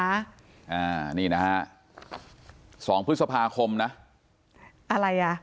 อ่านี่นะฮะสองพฤษภาคมนะอะไรอ่ะ